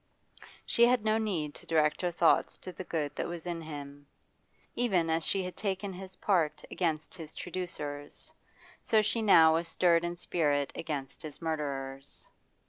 She had no need to direct her thoughts to the good that was in him. Even as she had taken his part against his traducers, so she now was stirred in spirit against his murderers.